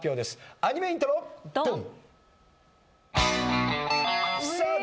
アニメイントロドン！